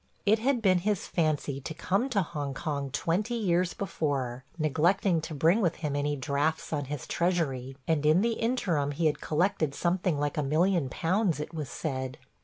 ... It had been his fancy to come to Hong Kong twenty years before, neglecting to bring with him any drafts on his treasury, and in the interim he had collected something like a million pounds it was said.